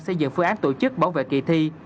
xây dựng phương án tổ chức bảo vệ kỳ thi